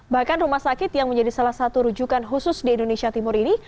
bahkan rumah sakit yang menjadi salah satu rujukan khusus di indonesia timur ini